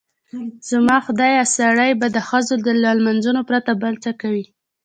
زما خدایه سړی به د ښځو له لمانځلو پرته بل څه کوي؟